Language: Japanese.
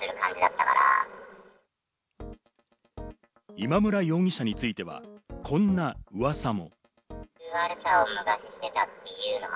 今村容疑者については、こんな噂も。